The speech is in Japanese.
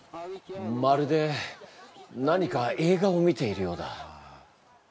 まるで何か映画を見ているようだ。